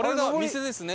店ですね。